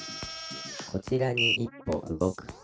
「こちらに１歩動く」ピッ。